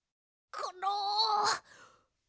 コロ！